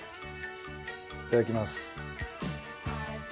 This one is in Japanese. いただきます。